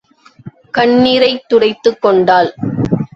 கண்ணிரைத் துடைத்துக் கொண்டாள்.